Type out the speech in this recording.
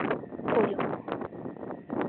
— Кольым.